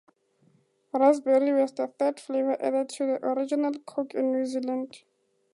Raspberry was the third flavor added to original Coke in New Zealand.